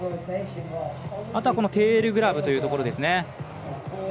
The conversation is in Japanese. あとはテールグラブというところですね。